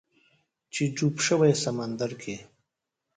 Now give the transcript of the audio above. چې ډوب شوی سمندر کې